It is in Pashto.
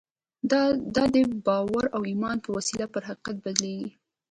دا د باور او ایمان په وسیله پر حقیقت بدلېږي